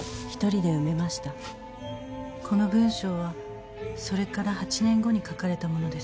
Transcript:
この文章はそれから８年後に書かれたものです。